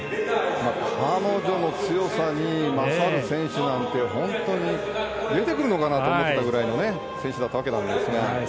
彼女の強さに勝る選手なんて本当に出てくるのかなって思ってたぐらいの選手だったわけですから。